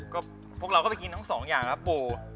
ก็พวกเราก็ไปกินทั้งสองอย่างครับปู่